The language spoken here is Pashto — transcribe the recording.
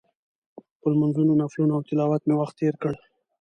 په لمونځونو، نفلونو او تلاوت مې وخت تېر کړ.